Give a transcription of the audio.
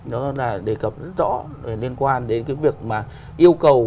đó là đề cập rất rõ liên quan đến cái việc mà yêu cầu